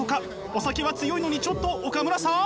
お酒は強いのにちょっと岡村さん！